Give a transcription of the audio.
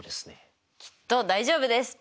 きっと大丈夫です！